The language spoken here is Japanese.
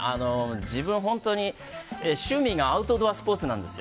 自分、本当に趣味がアウトドアスポーツなんです。